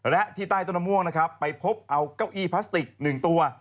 และที่ใต้ต้นมะม่วงนะครับไปพบเอาเก้าอี้พลาสติก๑ตัว